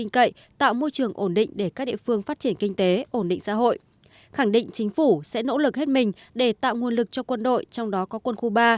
khẳng định chính phủ sẽ nỗ lực hết mình để tạo nguồn lực cho quân đội trong đó có quân khu ba